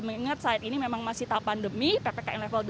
mengingat saat ini memang masih tahap pandemi ppkm level dua